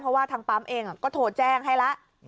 เพราะว่าทางปั๊มเองก็โทรแจ้งให้แล้ว